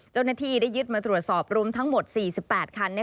เจ้าหน้าที่ได้ยึดมาตรวจสอบรวมทั้งหมด๔๘คัน